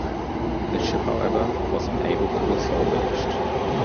The ship however, was unable to be salvaged.